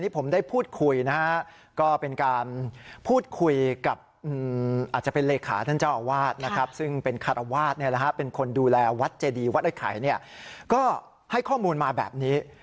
พระอาจารย์แว่นก็ให้ข้อมูลมาแบบนี้